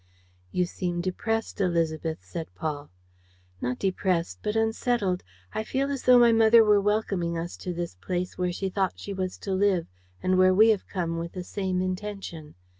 "You seem depressed, Élisabeth," said Paul. "Not depressed, but unsettled. I feel as though my mother were welcoming us to this place where she thought she was to live and where we have come with the same intention.